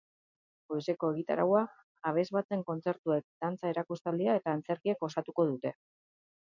Goizeko egitaraua, abesbatzen kontzertuek, dantza erakustaldia eta antzerkiek osatuko dute.